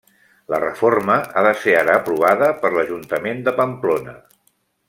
La reforma ha de ser ara aprovada per l'ajuntament de Pamplona.